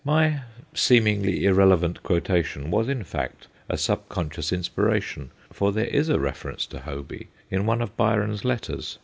My seem ingly irrelevant quotation was in fact a sub conscious inspiration, for there is a reference to Hoby in one of Byron's letters.